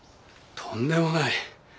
とんでもない。